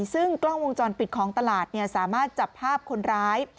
ซึ่งกล้องวงจรปิดของตลาดสามารถจับภาพคนร้าย